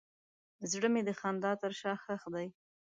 زړه مې د خندا تر شا ښخ دی.